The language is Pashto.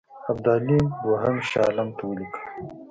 ابدالي دوهم شاه عالم ته ولیکل.